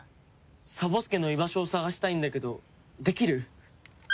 サボ助の居場所を捜したいんだけどできる？